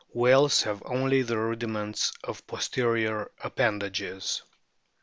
Whales have only the rudiments of posterior ap pendages.